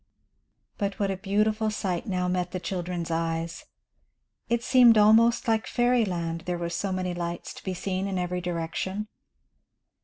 But what a beautiful sight now met the children's eyes! It seemed almost like fairy land, there were so many lights to be seen in every direction.